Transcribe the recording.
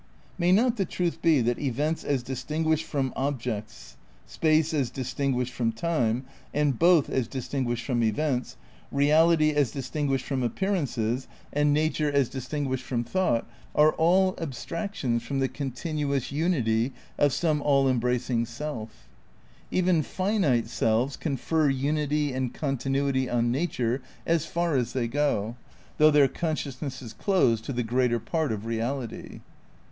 May not the truth be that events as distinguished from objects, space as distinguished from time, and both as distinguished from events, reality as distin guished from appearance, and nature as distinguished from thought are all abstractions from the continuous unity of some all embracing self? Even finite selves confer unity and continuity on nature as far as they go, though their consciousness is closed to the greater part of reality.